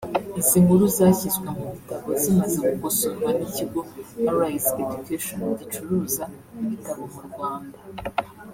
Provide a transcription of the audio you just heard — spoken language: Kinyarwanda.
Izi nkuru zashyizwe mu bitabo zimaze gukosorwa n’Ikigo Arise Education gicuruza ibitabo mu Rwanda